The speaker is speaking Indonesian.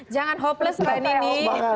jangan hopeless mbak nini